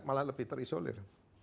malah lebih terisolir